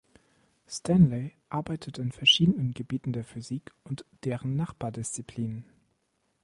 Stanley arbeitet in verschiedenen Gebieten der Physik und deren Nachbardisziplinen.